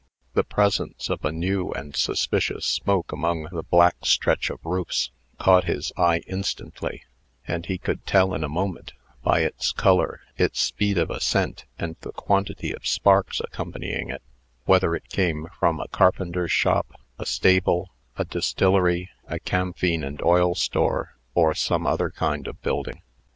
The presence of a new and suspicious smoke among the black stretch of roofs, caught his eye instantly; and he could tell in a moment, by its color, its speed of ascent, and the quantity of sparks accompanying it, whether it came from a carpenter's shop, a stable, a distillery, a camphene and oil store, or some other kind of building.